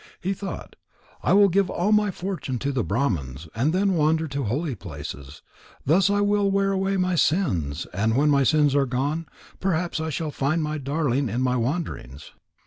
He thought: "I will give all my fortune to the Brahmans, and then wander to holy places. Thus I will wear away my sins, and when my sins are gone, perhaps I shall find my darling in my wanderings."